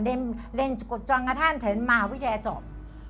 เรียนจังหภัณฑ์ถึงมหาวิทยาจอบ